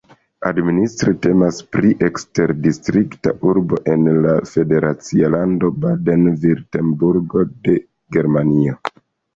Administre temas pri eksterdistrikta urbo en la federacia lando Baden-Virtembergo de Germanio.